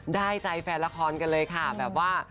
ได้ใจแฟนละครกันเลยค่ะแบบว่า